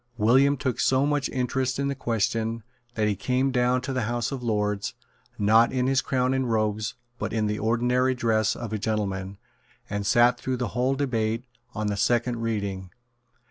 William took so much interest in the question that he came down to the House of Lords, not in his crown and robes, but in the ordinary dress of a gentleman, and sate through the whole debate on the second reading.